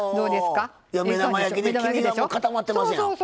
目玉焼きで黄身が固まってますやん。